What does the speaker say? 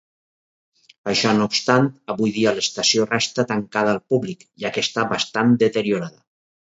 Això no obstant, avui dia l'estació resta tancada al públic, ja que està bastant deteriorada.